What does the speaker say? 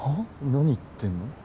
何言ってんの？